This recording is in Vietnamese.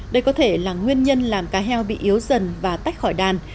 đây có thể là nguyên nhân làm cá heo bị yếu dần và tách khỏi đàn